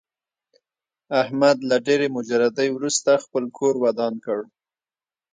احمد له ډېرې مجردۍ ورسته خپل کور ودان کړ.